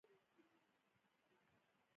د بیان ازادي مهمه ده ځکه چې ماشومانو حقونه ساتي.